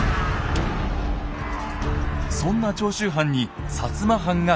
そんな長州藩に摩藩が味方する。